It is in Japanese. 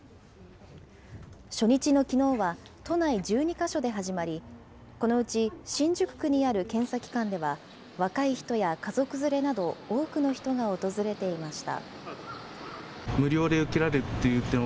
初日のきのうは、都内１２か所で始まり、このうち新宿区にある検査機関では、若い人や家族連れなど、多くの人が訪れていました。